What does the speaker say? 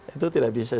itu tidak bisa